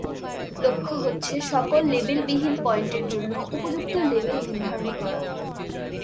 লক্ষ্য হচ্ছে সকল লেবেলবিহীন পয়েন্টের জন্য উপযুক্ত লেবেল নির্ধারণ করা।